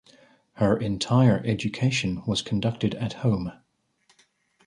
Her entire education was conducted at home.